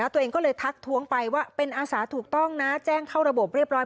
ตัวเองก็เลยทักท้วงไปว่าเป็นอาสาถูกต้องนะแจ้งเข้าระบบเรียบร้อย